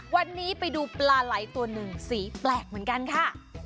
วันนี้ไปดูปลาไหล่ตัวหนึ่งสีแปลกเหมือนกันค่ะ